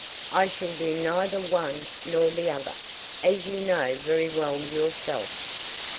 "I shall do neither one nor the other, as you know very well yourself."